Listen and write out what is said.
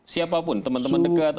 siapapun teman teman dekat